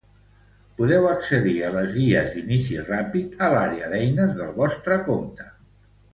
Podeu accedir a les guies d'inici ràpid a l'àrea d'eines del vostre compte.